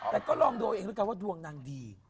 แต่ก็ลองดูเองแล้วกันว่าดวงนางดี